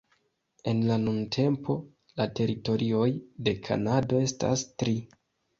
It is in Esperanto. En la nuntempo, te teritorioj de Kanado estas tri.